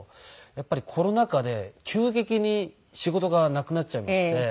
やっぱりコロナ禍で急激に仕事がなくなっちゃいまして。